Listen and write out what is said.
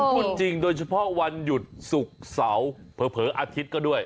พูดจริงโดยเฉพาะวันหยุดศุกร์เสาร์เผลออาทิตย์ก็ด้วย